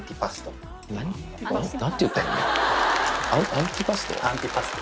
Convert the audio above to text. アアンティパスト？